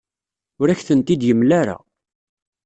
Ur ak-tent-id-yemla ara.